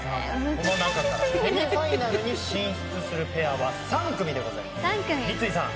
この中からセミファイナルに進出するペアは３組でございます三井さん